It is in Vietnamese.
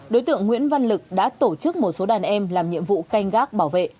đối tượng nguyễn văn lực đã tổ chức một số đàn em làm nhiệm vụ canh gác bảo vệ